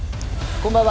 こんばんは。